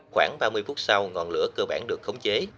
khoảng ba mươi phút sau ngọn lửa cơ bản được khống chế